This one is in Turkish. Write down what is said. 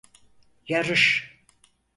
Yarış!